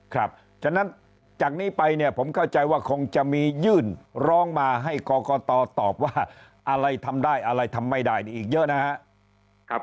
ฉะนั้นจากนี้ไปเนี่ยผมเข้าใจว่าคงจะมียื่นร้องมาให้กรกตตอบว่าอะไรทำได้อะไรทำไม่ได้นี่อีกเยอะนะครับ